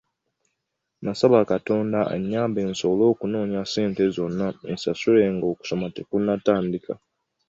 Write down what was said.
Nasaba Katonda annyambe nsobole okunoonya ssente zonna nzisasule ng’okusoma tekunnatandika.